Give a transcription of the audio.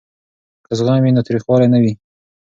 که زغم وي نو تریخوالی نه وي.